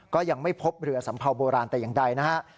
ก็ยังไม่พบเรือสัมเภาโบราณแต่อย่างใดนะฮะ